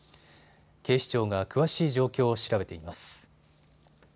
警視庁が詳しい状況を調べています。